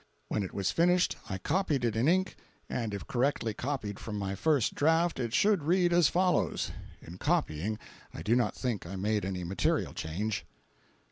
When it was finished, I copied it in ink, and if correctly copied from my first draft it should read as follows. In copying I do not think I made any material change.